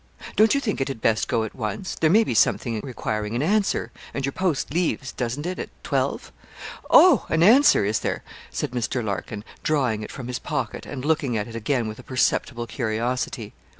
'Don't you think it had best go at once? there may be something requiring an answer, and your post leaves, doesn't it, at twelve?' 'Oh! an answer, is there?' said Mr. Larkin, drawing it from his pocket, and looking at it again with a perceptible curiosity.